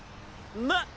まっ！